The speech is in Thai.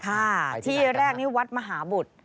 ค่ะที่แรกนี่วัดมหาบุตร